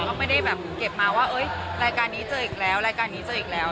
ก็ไม่ได้แบบเก็บมาว่ารายการนี้เจออีกแล้วรายการนี้เจออีกแล้ว